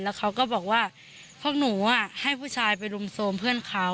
แล้วเขาก็บอกว่าพวกหนูให้ผู้ชายไปรุมโทรมเพื่อนเขา